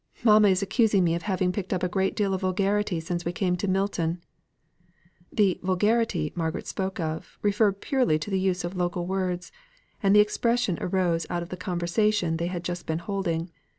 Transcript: "Mamma is accusing me of having picked up a great deal of vulgarity since we came to Milton." The "vulgarity" Margaret spoke of, referred purely to the use of local words, and the expression arose out of the conversation they had just been holding.